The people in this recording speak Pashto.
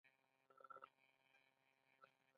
تر دیوالۍ دوې ګوتې سر لوړ کړه.